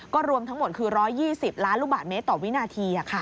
รวมทั้งหมดคือ๑๒๐ล้านลูกบาทเมตรต่อวินาที